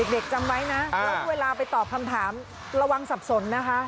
จำไว้นะแล้วเวลาไปตอบคำถามระวังสับสนนะคะ